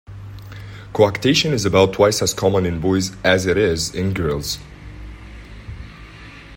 Coarctation is about twice as common in boys as it is in girls.